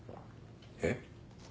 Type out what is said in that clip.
えっ？